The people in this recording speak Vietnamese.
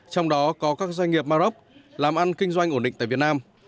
trong đó có các doanh nghiệp maroc làm ăn kinh doanh ổn định tại việt nam